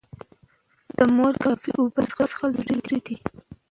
د مور کافي اوبه څښل ضروري دي.